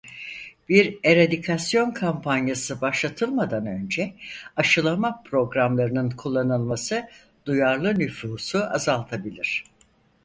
Bir eradikasyon kampanyası başlatılmadan önce aşılama programlarının kullanılması duyarlı nüfusu azaltabilir.